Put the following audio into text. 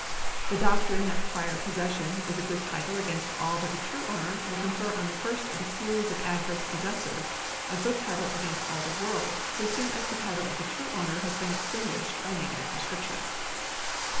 The doctrine that prior possession is a good title against all but the true owner, will confer on the first of a series of adverse possessors a good title against all the world so soon as the 410 THE LAW OF PROPERTY [§ 162 title of the true owner has been extinguished by negative prescription.